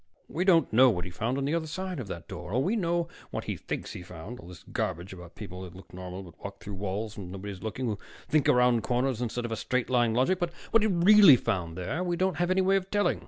We don't know what he found on the other side of that door. Oh, we know what he thinks he found, all this garbage about people that look normal but walk through walls when nobody's looking, who think around corners instead of in straight line logic. But what he really found there, we don't have any way of telling.